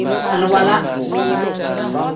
Aliwala.